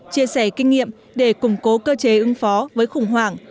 chia sẻ kinh nghiệm để củng cố cơ chế ứng phó với khủng hoảng